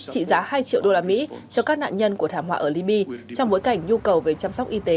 trị giá hai triệu đô la mỹ cho các nạn nhân của thảm họa ở libya trong bối cảnh nhu cầu về chăm sóc y tế